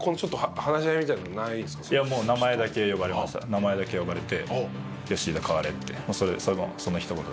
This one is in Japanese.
名前だけ呼ばれて「吉井と代われ」ってそのひと言だけでしたね。